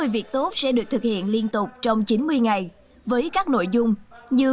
sáu mươi việc tốt sẽ được thực hiện liên tục trong chín mươi ngày với các nội dung như